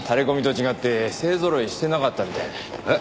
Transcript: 違って勢ぞろいしてなかったみたいだ。